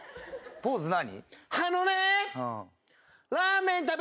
ポーズは何？